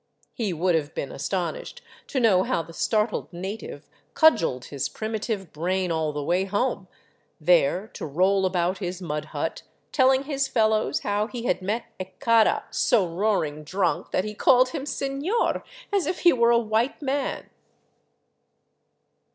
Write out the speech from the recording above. He would have been astonished to know how the startled native cudgeled his primitive brain all the way home, there to roll about his mud hut telling his fellows how he had met a " kara " so roaring drunk that he called him " seiior," as if he were a white man.